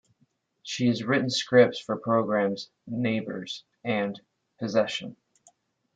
She has written scripts for programme's "Neighbours" and "Possession".